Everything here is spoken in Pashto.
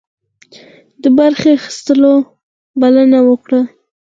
د برخي اخیستلو بلنه ورکړه.